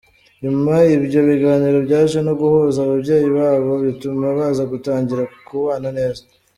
Nyuma ibyo biganiro byaje no guhuza ababyeyi babo bituma baza gutangira kubana neza.